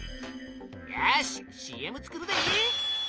よしＣＭ作るで！